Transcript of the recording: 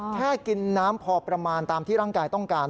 แค่กินน้ำพอประมาณตามที่ร่างกายต้องการ